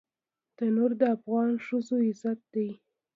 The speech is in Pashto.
تنور د افغانو ښځو عزت دی